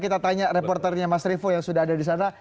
kita tanya reporternya mas revo yang sudah ada di sana